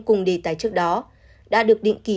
cùng đề tài trước đó đã được định kỳ